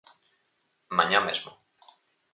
Mañá mesmo.